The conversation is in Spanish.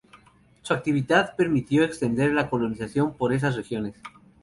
Su actividad permitió extender la colonización por esas regiones.